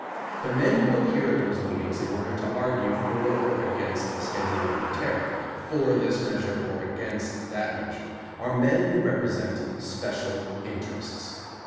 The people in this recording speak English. The men who appear at those meetings in order to argue for or against a schedule in the tariff, for this measure or against that measure, are men who represent special interests.